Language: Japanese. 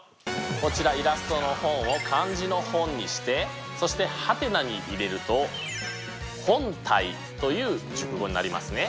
こちらイラストの本を漢字の「本」にしてそしてハテナに入れると「本体」という熟語になりますね。